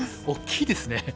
大きいですね。